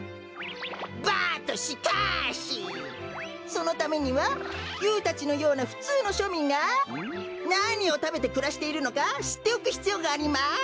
そのためにはユーたちのようなふつうのしょみんがなにをたべてくらしているのかしっておくひつようがあります。